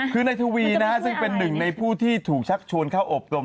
คือนายทวีนะฮะซึ่งเป็นหนึ่งในผู้ที่ถูกชักชวนเข้าอบรม